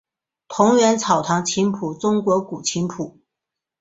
桐园草堂琴谱中国古琴谱。